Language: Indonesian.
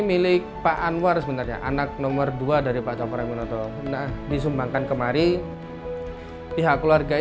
milik pak anwar sebenarnya anak nomor dua dari pak comraminoto nah disumbangkan kemari pihak keluarga